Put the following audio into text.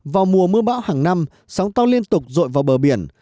vào mùa mưa bão hàng năm sóng to liên tục rội vào bờ biển